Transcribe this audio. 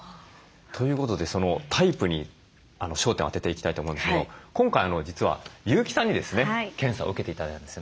ということでタイプに焦点を当てていきたいと思うんですけど今回実は優木さんにですね検査を受けて頂いたんですよね。